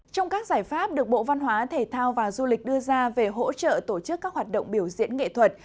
trong các giải pháp được bộ văn hóa thể thao và du lịch đưa ra về hỗ trợ tổ chức các hoạt động biểu diễn nghệ thuật